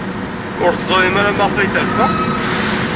Ur teẓrimt ara maɣef ay terfa?